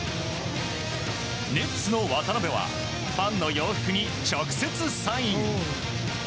ネッツの渡邊はファンの洋服に直接、サイン。